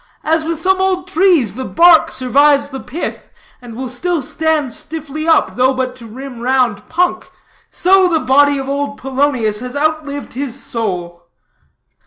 As with some old trees, the bark survives the pith, and will still stand stiffly up, though but to rim round punk, so the body of old Polonius has outlived his soul."